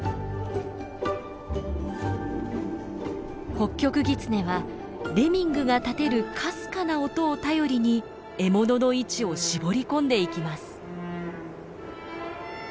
ホッキョクギツネはレミングが立てるかすかな音を頼りに獲物の位置を絞り込んでいきます。